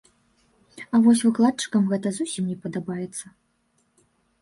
А вось выкладчыкам гэта зусім не падабаецца.